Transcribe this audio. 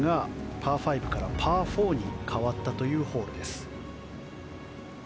パー５からパー４に変わったホールです。